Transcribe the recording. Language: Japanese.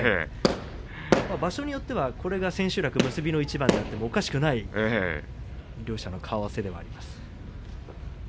場所によってはこれが千秋楽結びの一番になってもおかしくない両者の顔合わせではあります。